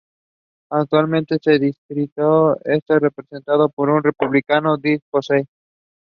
The Kakkad Hydroelectric Project is powered by water from the dam.